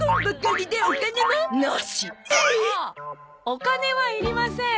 お金は要りません。